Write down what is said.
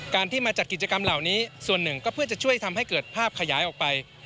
ที่มาจัดกิจกรรมเหล่านี้ส่วนหนึ่งก็เพื่อจะช่วยทำให้เกิดภาพขยายออกไป